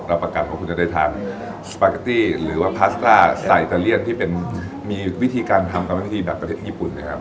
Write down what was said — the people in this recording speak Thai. ประกาศว่าคุณจะได้ทานสปาเกตตี้หรือว่าพาสต้าไซเลียนที่เป็นมีวิธีการทำการวิธีแบบประเทศญี่ปุ่นนะครับ